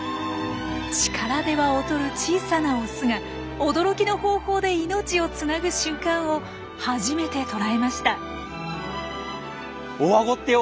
力では劣る小さなオスが驚きの方法で命をつなぐ瞬間を初めて捉えました。